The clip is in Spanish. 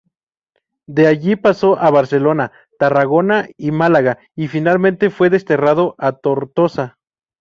De allí pasó a Barcelona, Tarragona y Málaga y finalmente fue desterrado a Tortosa.